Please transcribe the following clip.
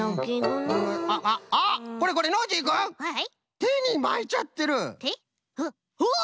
てにまいちゃってる！